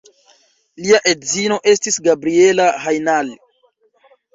Lia edzino estis Gabriella Hajnal.